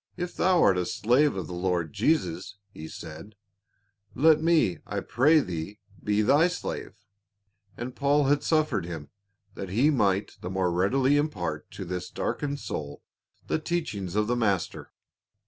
" If thou art a slave of the Lord Jesus," he said, "let me, I pray thee, be thy slave." And Paul had suffered him, that he might the more readily impart to this darkened soul the teachings of the Master.